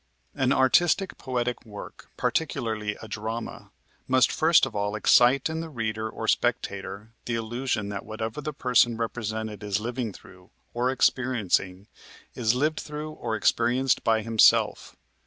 An artistic, poetic work, particularly a drama, must first of all excite in the reader or spectator the illusion that whatever the person represented is living through, or experiencing, is lived through or experienced by himself.